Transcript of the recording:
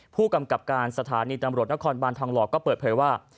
ผู้กำกับการสถานีตำรวจนครบานทองหล่อก็เปิดเผยว่า